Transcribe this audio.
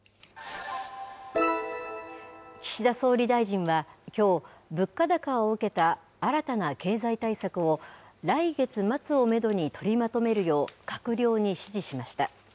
岸田総理大臣は、きょう、物価高を受けた新たな経済対策を来月末をメドに取りまとめるよう、閣僚に指示しました。